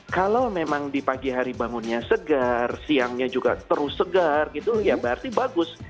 kalau memang di pagi hari bangunnya segar siangnya juga terus segar gitu ya berarti bagus